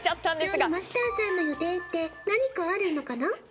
今日のマスターさんの予定って、何かあるのかな？